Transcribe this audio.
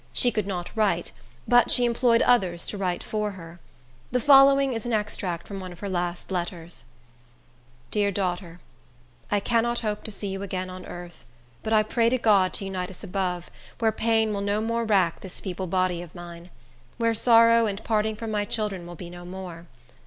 She could not write; but she employed others to write for her. The following is an extract from one of her last letters:— Dear Daughter: I cannot hope to see you again on earth; but I pray to God to unite us above, where pain will no more rack this feeble body of mine; where sorrow and parting from my children will be no more.